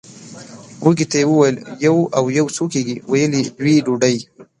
وږي ته یې وویل یو او یو څو کېږي ویل دوې ډوډۍ!